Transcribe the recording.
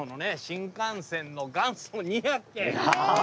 新幹線の元祖２００系。